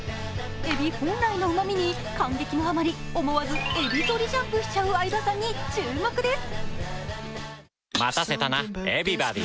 えび本来のうまみに、感激のあまり思わずエビぞりジャンプしてしまう相葉さんに注目です。